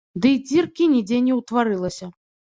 Дый дзіркі нідзе не ўтварылася.